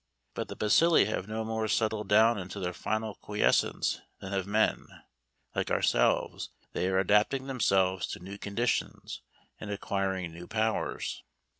But the bacilli have no more settled down into their final quiescence than have men; like ourselves, they are adapting themselves to new conditions and acquiring new powers.